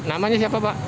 namanya siapa pak